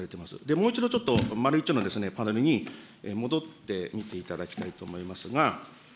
もう一度ちょっと丸１のパネルに戻ってみていただきたいと思いますが。